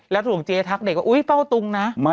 แล้วถูกเจ๊ทักเด็กว่าอุ๊ยเฝ้าตุงนะ